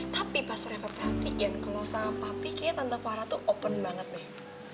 tapi pas reva perhatiin kalau sama papi kayaknya tante farah tuh open banget nih